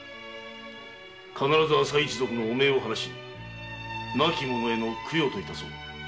必ず朝井一族の汚名を晴らし亡き者への供養と致そう。